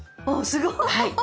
すごい。